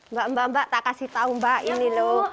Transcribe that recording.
mbak mbak tak kasih tahu mbak ini loh